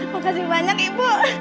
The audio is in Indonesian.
makasih banyak ibu